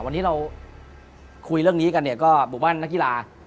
วันที่เราคุยเรื่องนี้กะเนี่ยก็บุควรรอันนักกีฬา